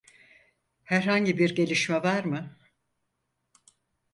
Herhangi bir gelişme var mı?